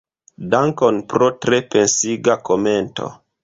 Dankon pro tre pensiga komento.